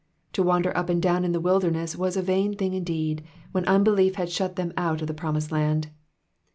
To wander up and down in the wilderness was a vain thing indeed, when unbelief had shut them out of the promised land.